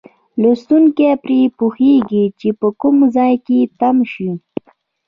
لوستونکی پرې پوهیږي چې په کوم ځای کې تم شي.